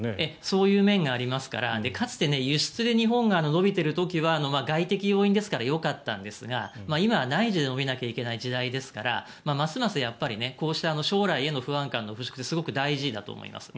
そういう面がありましたからかつて日本が輸出で伸びている時は外的要因ですからよかったんですが今は内需で伸びないといけない時代ですからますますこうした将来への不安感の払しょくって大事になってくると思います。